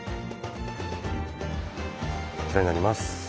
こちらになります。